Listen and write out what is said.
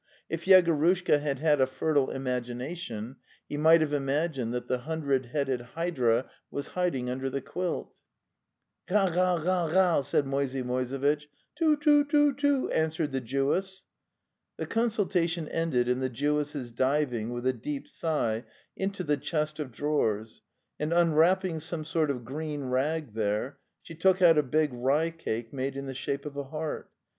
... If Yegorushka had had a fertile imagination he might have imagined that the hundred headed hydra was hiding under the quilt. '" Ghaal ghaal ghaal ghaal!"' said Moisey Moise vitch. '* Too0 too too too! '? answered the Jewess. The consultation ended in the Jewess's diving with a deep sigh into the chest of drawers, and, unwrapping some sort of green rag there, she took out a big rye cake made in the shape of a heart.